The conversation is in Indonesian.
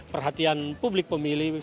perhatian publik pemilih